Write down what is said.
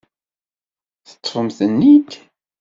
Teṭṭfem-ten-id?